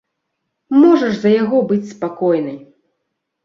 Можаш за яго быць спакойнай!